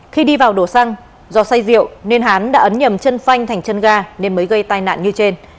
khi đi vào đổ xăng do say rượu nên hán đã ấn nhầm chân phanh thành chân ga nên mới gây tai nạn như trên